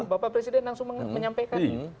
bapak presiden langsung menyampaikan